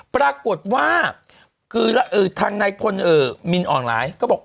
ปรากฏว่าทางในคนมินออนไลน์ก็บอก